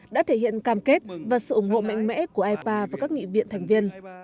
đã thể hiện cam kết và sự ủng hộ mạnh mẽ của ipa và các nghị viện thành viên